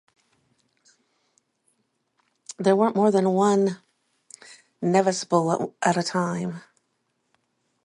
There weren't more than one Mnevis bull at a time.